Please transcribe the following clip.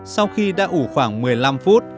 sau khi đã ủ khoảng một mươi năm phút